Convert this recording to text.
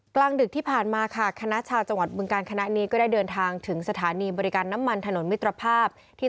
กลางดึกที่ผ่านมาค่ะคณะชาวจังหวัดบึงการคณะนี้ก็ได้เดินทางถึงสถานีบริการน้ำมันถนนมิตรภาพที่